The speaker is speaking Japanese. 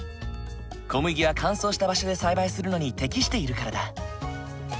小麦は乾燥した場所で栽培するのに適しているからだ。